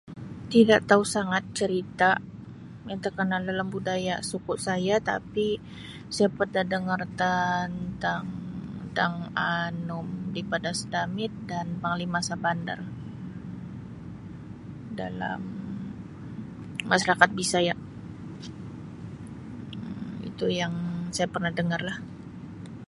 Tidak tau sangat cerita yang terkenal dalam budaya suku saya tapi saya pernah dengar tantang Dang Anum di Padas Damit dan Panglima Shabandar dalam masyarakat Bisaya Um itu yang saya pernah dengarlah.